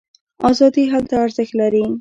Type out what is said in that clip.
ازادي هلته ارزښت لري.